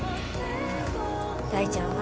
大ちゃんは？